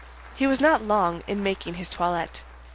He was not long in making his toilet.